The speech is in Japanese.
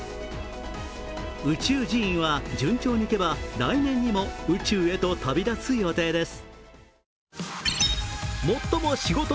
宇宙寺院は順調にいけば、来年にも宇宙へと旅立つ予定です。